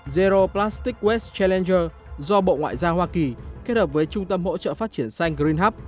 zero plastic west tralel do bộ ngoại giao hoa kỳ kết hợp với trung tâm hỗ trợ phát triển xanh green hub